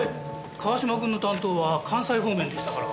川島君の担当は関西方面でしたから。